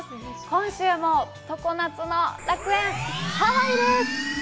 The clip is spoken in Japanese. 今週も常夏の楽園・ハワイです！